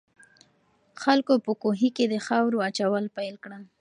خلکو په کوهي کې د خاورو اچول پیل کړل.